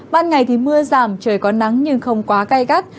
ban ngày thì mưa giảm trời có nắng nhưng không quá gai gắt